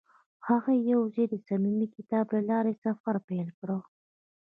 هغوی یوځای د صمیمي کتاب له لارې سفر پیل کړ.